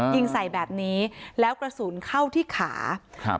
ยิงใส่แบบนี้แล้วกระสุนเข้าที่ขาครับ